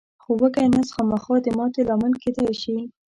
خو وږی نس خامخا د ماتې لامل کېدای شي.